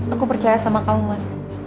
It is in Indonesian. aku percaya sama kamu mas